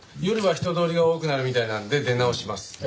夜は人通りが多くなるみたいなので出直します。